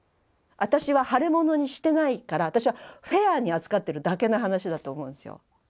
私は腫れ物にしてないから私はフェアに扱ってるだけの話だと思うんですよ。